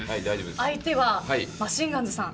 相手はマシンガンズさん